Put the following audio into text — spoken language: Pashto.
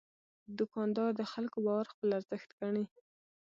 دوکاندار د خلکو باور خپل ارزښت ګڼي.